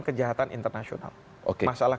kejahatan internasional masalah